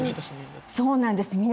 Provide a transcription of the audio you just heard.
そうなんです。